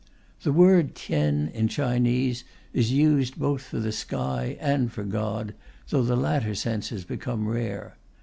The word "Tien," in Chinese, is used both for the sky and for God, though the latter sense has become rare.